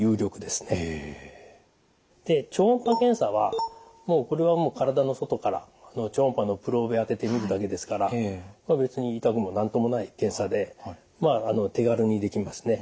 で超音波検査はこれはもう体の外から超音波のプローブ当てて診るだけですから別に痛くも何ともない検査で手軽にできますね。